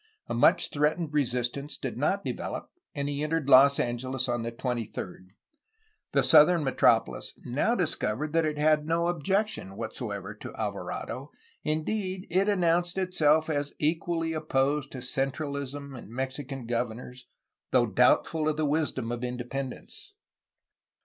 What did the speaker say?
A much threat ened resistance did not develop, and he entered Los Angeles on the 23d. The southern metropolis now discovered that it had no objection whatsoever to Alvarado; indeed, it an nounced itself as equally opposed to centralism and Mexi can governors, though doubtful of the wisdom of inde pendence.